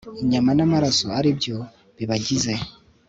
inyama n'amaraso ari byo bibagize